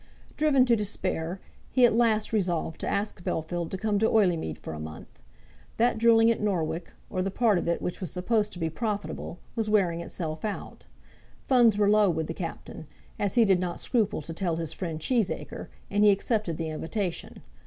Driven to despair, he at last resolved to ask Bellfield to come to Oileymead for a month. That drilling at Norwich, or the part of it which was supposed to be profitable, was wearing itself out. Funds were low with the Captain, as he did not scruple to tell his friend Cheesacre, and he accepted the invitation.